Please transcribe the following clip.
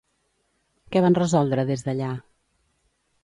Què van resoldre des d'allà?